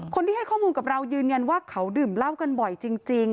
คนที่ให้ข้อมูลกับเรายืนยันว่าเขาดื่มเหล้ากันบ่อยจริง